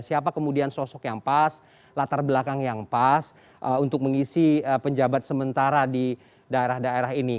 siapa kemudian sosok yang pas latar belakang yang pas untuk mengisi penjabat sementara di daerah daerah ini